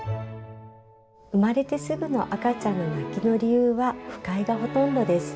生まれてすぐの赤ちゃんの泣きの理由は不快がほとんでです。